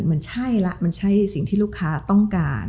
มันใช่แล้วมันใช่สิ่งที่ลูกค้าต้องการ